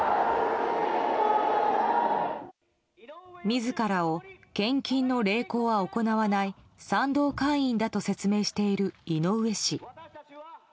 自らを献金の励行は行わない賛同会員だと説明している井上氏。